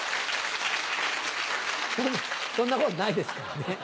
そんなことないですからね。